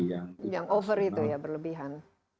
yang over itu ya berlebihan